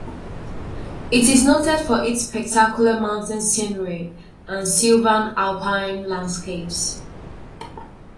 It is noted for its spectacular mountain scenery and sylvan alpine landscapes.